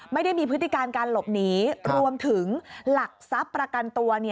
ไม่ได้มีพฤติการการหลบหนีรวมถึงหลักทรัพย์ประกันตัว